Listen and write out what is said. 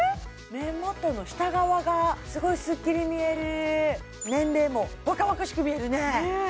目元の下側がすごいスッキリ見える年齢も若々しく見えるねねえ